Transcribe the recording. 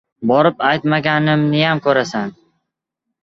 Borib aytmaganimniyam ko‘rasan!